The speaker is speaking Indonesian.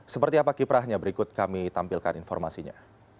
seperti apa kiprahnya berikut kami tampilkan informasinya